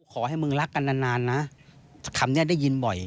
ขอให้มึงรักกันนานนะคำนี้ได้ยินบ่อย